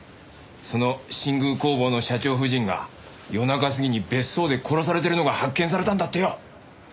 その新宮工房の社長夫人が夜中過ぎに別荘で殺されてるのが発見されたんだってよ。